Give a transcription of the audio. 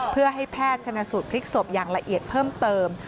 เพื่อให้แพทย์ชนสูตรพลิกศพอย่างละเอียดเพิ่มเติม